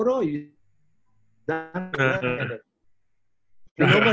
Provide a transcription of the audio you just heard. kamu selalu berangkat ke kanan kan